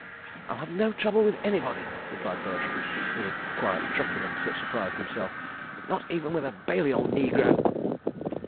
"I'll have no trouble with anybody," replied Bertram with a quiet truculence that surprised himself, "not even with a Balliol negro."